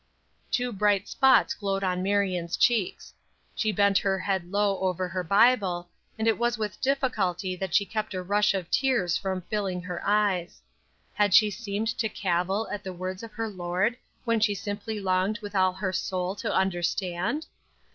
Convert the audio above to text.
Two bright spots glowed on Marion's cheeks. She bent her head low over her Bible, and it was with difficulty that she kept a rush of tears from filling her eyes. Had she seemed to cavil at the words of her Lord when she simply longed with all her soul to understand?